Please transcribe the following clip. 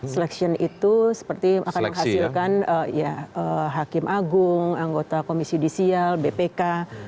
selection itu seperti akan menghasilkan hakim agung anggota komisi judisial bpk